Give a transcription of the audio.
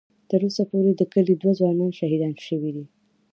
ـ تر اوسه پورې د کلي دوه ځوانان شهیدان شوي دي.